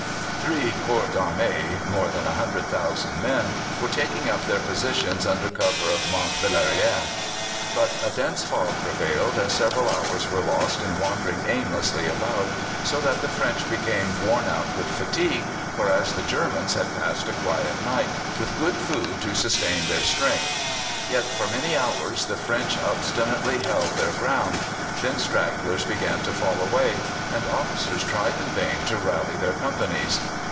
Three corps d'armée, more than 100,000 men, were taking up their positions under cover of Mont Valérien; but a dense fog prevailed, and several hours were lost in wandering aimlessly about, so that the French became worn out with fatigue, whereas the Germans had passed a quiet night, with good food to sustain their strength. Yet for many hours the French obstinately held their ground; then stragglers began to fall away, and officers tried in vain to rally their companies.